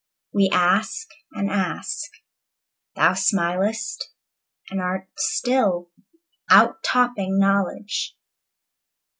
We ask and ask Thou smilest and art still, Out topping knowledge.